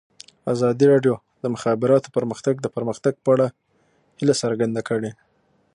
ازادي راډیو د د مخابراتو پرمختګ د پرمختګ په اړه هیله څرګنده کړې.